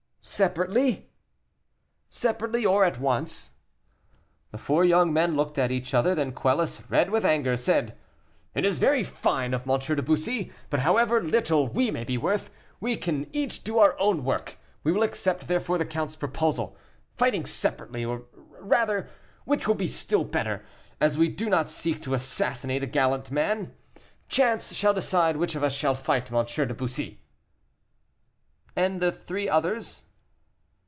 "Separately?" "Separately, or at once." The four young men looked at each other; then Quelus, red with anger, said: "It is very fine of M. de Bussy, but however little we may be worth, we can each do our own work; we will accept, therefore, the count's proposal, fighting separately, or rather, which will be still better, as we do not seek to assassinate a gallant man, chance shall decide which of us shall fight M. de Bussy." "And the three others?"